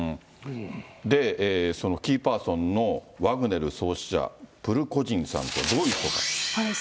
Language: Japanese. で、そのキーパーソンのワグネル創始者、プリゴジンさんっていうのはどういう人か。